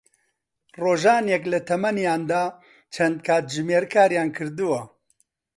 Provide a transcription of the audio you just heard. ڕۆژانێک لە تەمەنیاندا چەند کاتژمێر کاریان کردووە